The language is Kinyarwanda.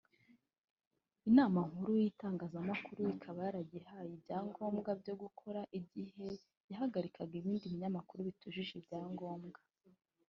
Inama Nkuru y’Itangazamakuru ikaba yaragihaye ibyangombwa byo gukora igihe yahagarikaga ibindi binyamakuru bitujuje ibyangombwa